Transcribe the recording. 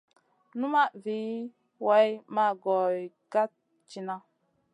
Numaʼ vi way maʼ goy ga kat tina.